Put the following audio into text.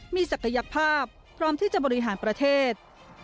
มีศักยภาพพร้อมที่จะบริหารประเทศ